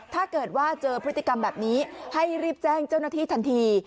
ถ้าเกิดว่าเจอพฤติกรรมแบบนี้ให้รีบแจ้งเจ้าหน้าที่ทันที